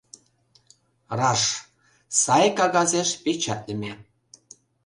Раш, сай кагазеш печатлыме.